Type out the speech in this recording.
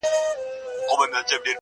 دی هم پټ روان پر لور د هدیرې سو-